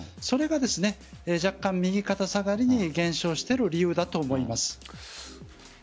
それが若干右肩下がりに減少している理由だと思います。